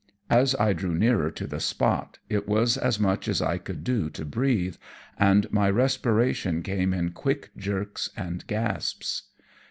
As I drew nearer to the spot, it was as much as I could do to breathe, and my respiration came in quick jerks and gasps.